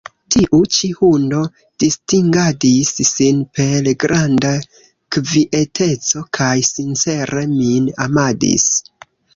Tiu ĉi hundo distingadis sin per granda kvieteco kaj sincere min amadis.